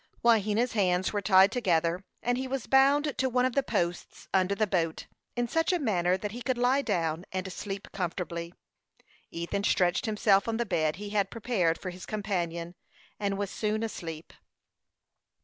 Wahena's hands were tied together, and he was bound to one of the posts under the boat, in such a manner that he could lie down and sleep comfortably. Ethan stretched himself on the bed he had prepared for his companion, and was soon asleep.